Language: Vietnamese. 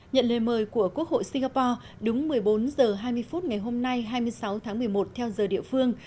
nhận lời mời của quốc hội singapore đúng một mươi bốn h hai mươi phút ngày hôm nay hai mươi sáu tháng một mươi một theo giờ địa phương